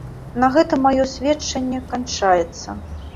На гэтым маё сведчанне канчаецца.